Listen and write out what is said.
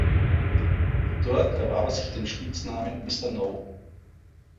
Dort erwarb er sich den Spitznamen „Mister No“.